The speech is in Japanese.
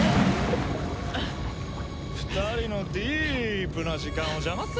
２人のディープな時間を邪魔するなって。